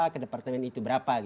ke departemen itu berapa